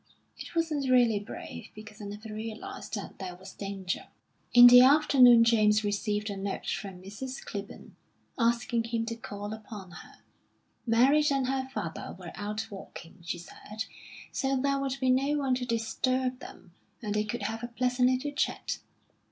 It wasn't really brave, because I never realised that there was danger." In the afternoon James received a note from Mrs. Clibborn, asking him to call upon her. Mary and her father were out walking, she said, so there would be no one to disturb them, and they could have a pleasant little chat.